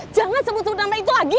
jangan sebut nama itu lagi